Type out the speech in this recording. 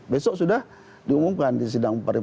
besok sudah diumumkan di sidang